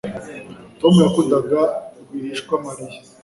Tom yakundaga rwihishwa Mariya